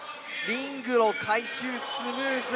リングの回収スムーズ。